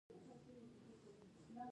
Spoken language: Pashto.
د فرهنګي ودي لپاره ځوانان تلپاتې رول لري.